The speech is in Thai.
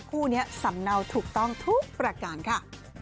คู่นี้สำเนาถูกต้องทุกประการค่ะ